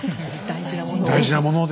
大事なものを。